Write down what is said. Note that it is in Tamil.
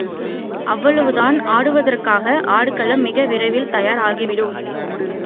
அவ்வளவுதான், ஆடுவதற்கான ஆடுகளம் மிக விரைவில் தயார் ஆகிவிடும்.